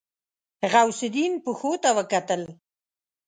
غوث الدين پښو ته وکتل.